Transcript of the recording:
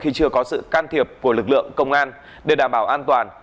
khi chưa có sự can thiệp của lực lượng công an để đảm bảo an toàn